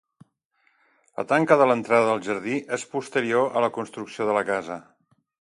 La tanca de l'entrada del jardí és posterior a la construcció de la casa.